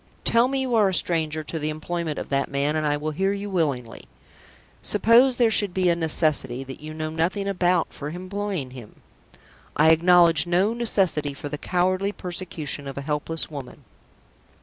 "Tell me you are a stranger to the employment of that man, and I will hear you willingly." "Suppose there should be a necessity, that you know nothing about, for employing him?" "I acknowledge no necessity for the cowardly persecution of a helpless woman."